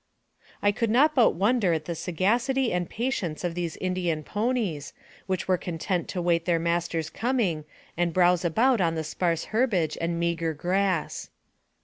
I could not but wonder at the sagacity and patience of these Indian ponies, which were content to wait their master's coming, and browse about on the sparse herb age and meager grass.